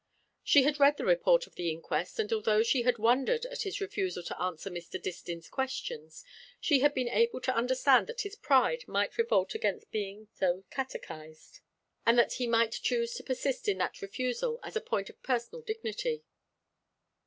She had read the report of the inquest, and although she had wondered at his refusal to answer Mr. Distin's questions, she had been able to understand that his pride might revolt against being so catechised, and that he might choose to persist in that refusal as a point of personal dignity.